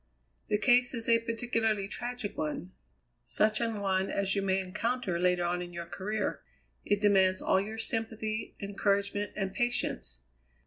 "The case is a particularly tragic one, such an one as you may encounter later on in your career. It demands all your sympathy, encouragement, and patience.